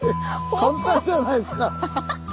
簡単じゃないですか。